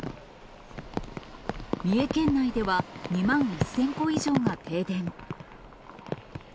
三重県内では、２万１０００戸以上が停電。